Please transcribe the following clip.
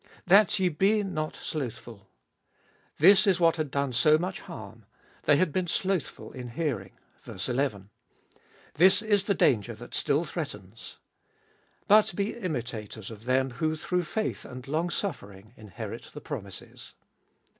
That ye be not slothful. This is what had done so much harm — they had been slothful in hearing (v. n). This is the danger that still threatens. But be imitators of them who through faith and longsuffering inherit the promises.